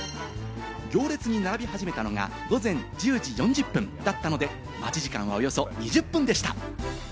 行列に並び始めたのが午前１０時４０分だったので、待ち時間はおよそ２０分でした。